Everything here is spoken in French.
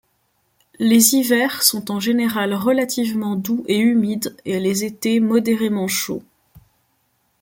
Les hivers sont en général relativement doux et humides et les étés modérément chauds.